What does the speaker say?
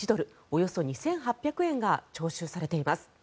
およそ２８００円が徴収されています。